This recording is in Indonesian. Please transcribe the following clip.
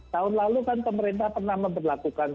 tahun lalu kan pemerintah pernah memperlakukan